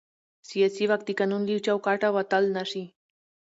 سیاسي واک د قانون له چوکاټه وتل نه شي